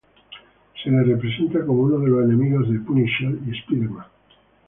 Se le representa como uno de los enemigos de Punisher y Spider-Man.